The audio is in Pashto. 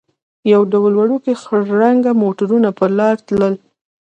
یو ډول وړوکي خړ رنګه موټرونه پر لار تلل.